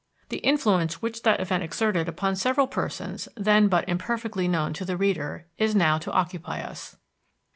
The influence which that event exerted upon several persons then but imperfectly known to the reader is now to occupy us.